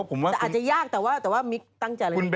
แต่อาจจะยากแต่ว่ามิ๊กส์ตั้งใจอะไรอย่างนี้